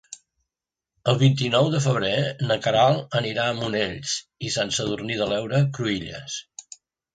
El vint-i-nou de febrer na Queralt anirà a Monells i Sant Sadurní de l'Heura Cruïlles.